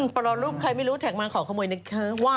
แต่ลองรื่มใครไม่รู้แตกมาขอเข้ามือนึงค้าว้าว